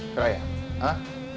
ke raya hah